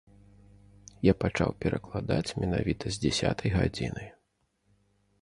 Я пачаў перакладаць менавіта з дзясятай гадзіны.